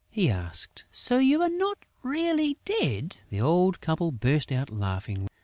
He asked: "So you are not really dead?..." The old couple burst out laughing.